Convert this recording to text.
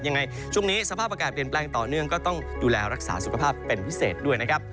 ยังไงช่วงนี้สภาพอากาศเปลี่ยนแปลงต่อเนื่องก็ต้องดูแลรักษาสุขภาพเป็นพิเศษด้วยนะครับ